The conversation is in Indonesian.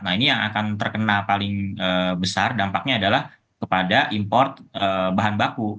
nah ini yang akan terkena paling besar dampaknya adalah kepada import bahan baku